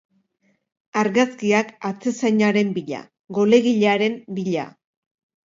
Argazkiak atezainaren bila, golegilearen bila.